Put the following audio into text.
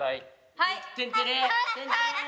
はい！